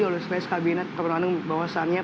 oleh seles kabinet kepala manung bahwasannya